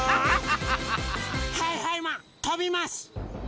はいはいマンとびます！